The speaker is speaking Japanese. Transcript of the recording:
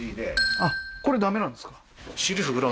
あっこれダメなんですか？